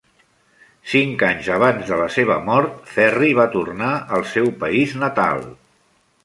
Cinc anys abans de la seva mort, Ferri va tornar al seu país natal.